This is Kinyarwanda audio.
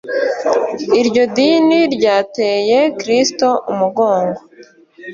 iryo dini ryateye kristo umugongo